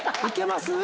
行けます？